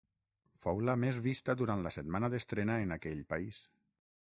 Fou la més vista durant la setmana d'estrena en aquell país.